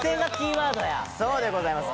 そうでございます。